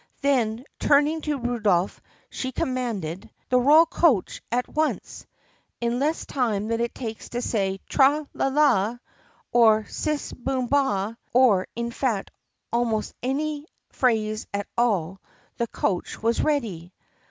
Then, turning to Rudolph she commanded, "The royal coach at once!" In less time than it takes to say "Tra! la! la!" or "Siss! boom! ah!" or in fact almost any phrase at all, the coach was ready.